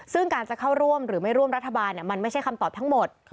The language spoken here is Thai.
ซึ่งการจะเข้าร่วมหรือไม่ร่วมรัฐบาลมันไม่ใช่คำตอบทั้งหมด